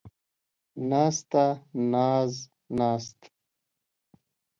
ناسته ، ناز ، ناست